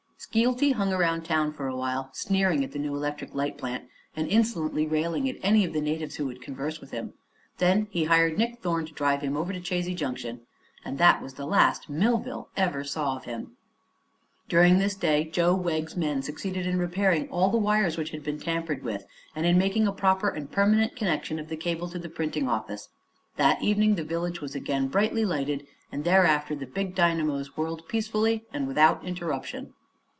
Skeelty hung around the town for awhile, sneering at the new electric light plant and insolently railing at any of the natives who would converse with him. Then he hired Nick Thorne to drive him over to Chazy Junction, and that was the last Millville ever saw of him. During this day Joe Wegg's men succeeded in repairing all the wires which had been tampered with and in making a proper and permanent connection of the cable to the printing office. That evening the village was again brilliantly lighted and thereafter the big dynamos whirled peacefully and without interruption.